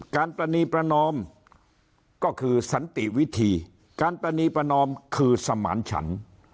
ปรณีประนอมก็คือสันติวิธีการประนีประนอมคือสมานฉัน